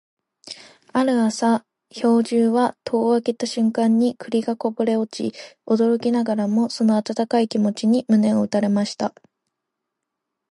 ある朝、兵十は戸を開けた瞬間に栗がこぼれ落ち、驚きながらもその温かい気持ちに胸を打たれました。